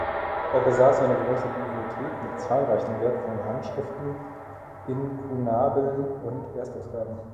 Er besaß eine große Bibliothek mit zahlreichen wertvollen Handschriften, Inkunabeln und Erstausgaben.